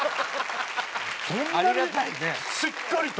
そんなにしっかりと。